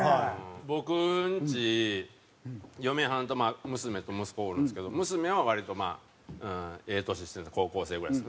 僕んち嫁はんと娘と息子おるんですけど娘は割とまあええ年してる高校生ぐらいです。